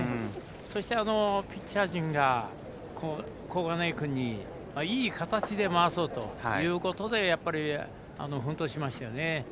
そしてピッチャー陣が小金井君にいい形で回そうということで奮闘しましたよね。